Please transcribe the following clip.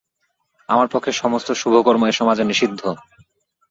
আমার পক্ষে সমস্ত শুভকর্ম এ সমাজে নিষিদ্ধ?